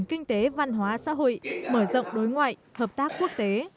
kinh tế văn hóa xã hội mở rộng đối ngoại hợp tác quốc tế